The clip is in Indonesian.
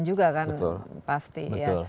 juga kan pasti betul